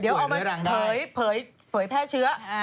เดี๋ยวเอามาเผยแพร่เชื้อ